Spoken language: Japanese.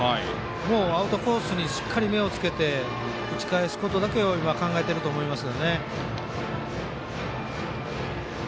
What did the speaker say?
アウトコースにしっかり目をつけて打ち返すことだけを今、考えていると思います。